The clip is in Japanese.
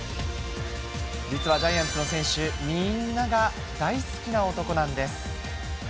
実はジャイアンツの選手みんなが大好きな男なんです。